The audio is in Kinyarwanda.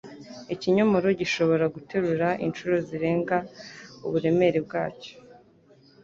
Ikimonyo gishobora guterura inshuro zirenga uburemere bwacyo.